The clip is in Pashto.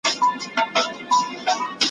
دوولسمه نکته.